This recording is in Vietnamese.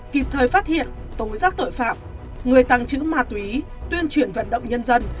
kịp thời phát hiện tối giác tội phạm người tăng chữ ma túy tuyên truyền vận động nhân dân